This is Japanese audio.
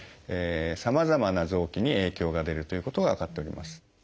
さまざまな臓器に影響が出るということが分かっております。